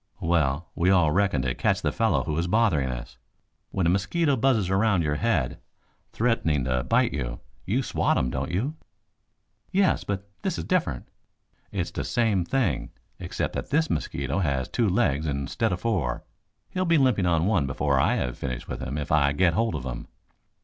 "Well, we all reckon to catch the fellow who is bothering us. When a mosquito buzzes around your head, threatening to bite you, you swat him, don't you?" "Yes, but this is different." "It's the same thing, except that this mosquito has two legs instead of four. He'll be limping on one before I have finished with him if I get hold of him."